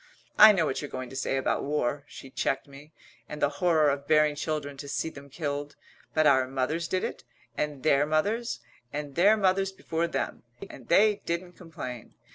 I know what you're going to say about war," she checked me, "and the horror of bearing children to see them killed, but our mothers did it, and their mothers, and their mothers before them. And they didn't complain.